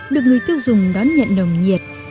được người tiêu dùng đón nhận nồng nhiệt